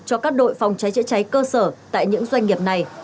cho các đội phòng cháy chữa cháy cơ sở tại những doanh nghiệp này